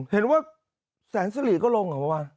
เห็นว่าแสนซิริก็ลงเหรอประมาณ